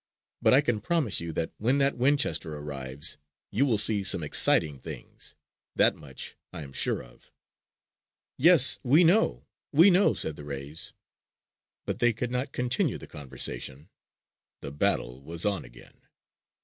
But I can promise you that when that Winchester arrives, you will see some exciting things. That much I am sure of!" "Yes, we know! We know!" said the rays. But they could not continue the conversation: the battle was on again.